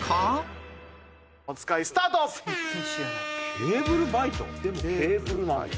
ケーブルバイト？でもケーブルないもんな。